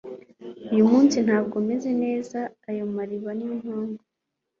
Uyu munsi ntabwo meze neza Ayo mariba niyo mpamvu